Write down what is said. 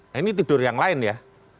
nah ini tidur yang lain ya